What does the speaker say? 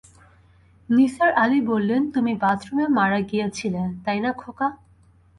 নিসার আলি বললেন, তুমি বাথরুমে মারা গিয়েছিলে, তাই না খোকা?